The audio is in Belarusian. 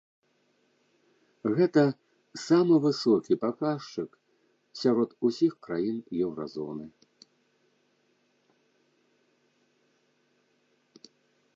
Гэта самы высокі паказчык сярод ўсіх краін еўразоны.